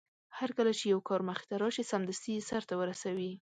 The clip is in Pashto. هرکله چې يو کار مخې ته راشي سمدستي يې سرته ورسوي.